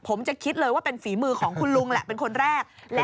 ผมจะคิดเลยว่าเป็นฝีมือของคุณลุงแหละเป็นคนแรก